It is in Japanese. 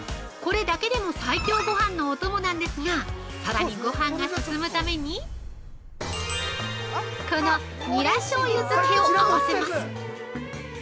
これだけでも最強ごはんのおともなんですがさらにごはんが進むためにこのニラしょうゆ漬けを合わせます！